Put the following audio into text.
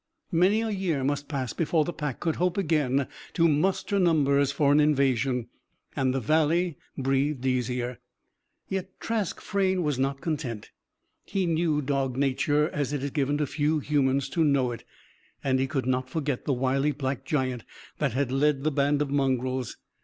Many a year must pass before the pack could hope again to muster numbers for an invasion. And the Valley breathed easier. Yet, Trask Frayne was not content. He knew dog nature, as it is given to few humans to know it. And he could not forget the wily black giant that had led the band of mongrels.